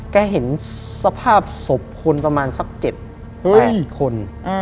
เห็นสภาพศพคนประมาณสัก๗๘คน